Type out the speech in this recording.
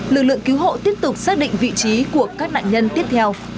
lực lượng cứu hộ tiếp tục xác định vị trí của các nạn nhân tiếp theo